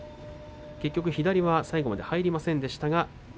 結局、左は最後まで入りませんでした。